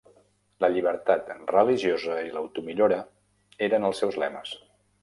La llibertat religiosa i l'auto-millora eren els seus lemes.